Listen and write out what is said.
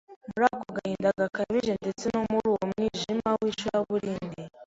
muri ako gahinda gakabije ndetse no muri uwo mwijima w’icuraburindi